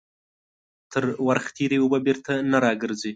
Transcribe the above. تر ورخ تيري اوبه بيرته نه راگرځي.